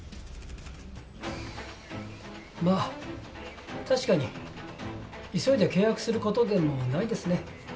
まあ確かに急いで契約することでもないですね。